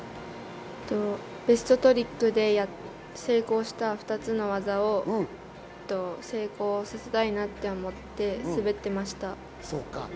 ベストトリックで成功した２つの技を成功させたいなって思って滑っていました。